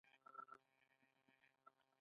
حکومت خپل قدرت طالبانو ته تسلیم کړي.